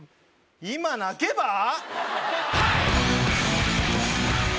今泣けば？